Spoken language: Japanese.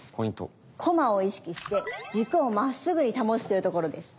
コマを意識して軸をまっすぐに保つというところです。